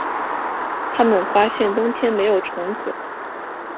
他们发现冬天没有虫子